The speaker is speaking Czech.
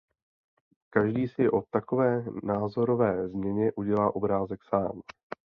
Každý si o takové názorové změně udělá obrázek sám.